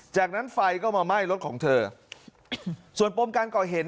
จากนั้นไฟก็มาไหม้รถของเธอส่วนปมการก่อเหตุ